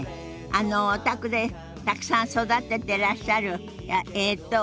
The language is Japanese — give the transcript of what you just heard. あのお宅でたくさん育ててらっしゃるえっと。